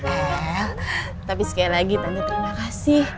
eh tapi sekali lagi tante terima kasih